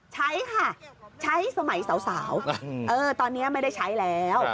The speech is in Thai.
ใช้ค่ะใช้สมัยสาวตอนนี้ไม่ได้ใช้แล้ว